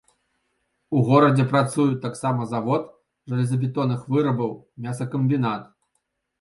У горадзе працуюць таксама завод жалезабетонных вырабаў, мясакамбінат.